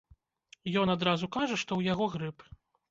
Ён адразу кажа, што ў яго грып.